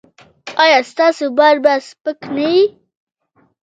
ایا ستاسو بار به سپک نه وي؟